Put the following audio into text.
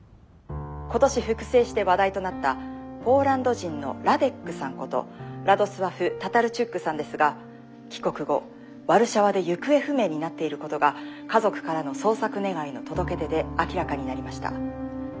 「今年復生して話題となったポーランド人のラデックさんことラドスワフ・タタルチュックさんですが帰国後ワルシャワで行方不明になっていることが家族からの捜索願の届け出で明らかになりました。